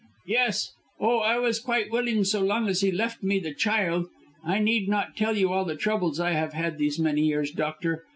"Yes. Oh, I was quite willing so long as he left me the child. I need not tell you all the troubles I have had these many years, doctor.